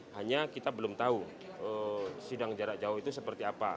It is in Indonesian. hanya kita belum tahu sidang jarak jauh itu seperti apa